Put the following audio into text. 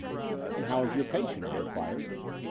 And how is your patient?" I inquired.